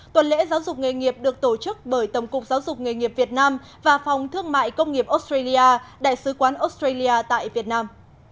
tuần lễ giáo dục nghề nghiệp được tổ chức bởi tổng cục giáo dục nghề nghiệp việt nam và phòng thương mại công nghiệp australia đại sứ quán australia tại việt nam